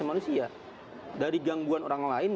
manusia dari gangguan orang lain